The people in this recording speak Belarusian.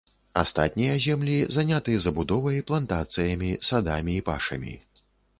Астатнія землі заняты забудовай, плантацыямі, садамі і пашамі.